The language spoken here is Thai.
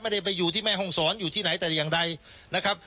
ไม่ได้ไปอยู่ที่แม่ห้องศรอยู่ที่ไหนแต่อย่างใดนะครับ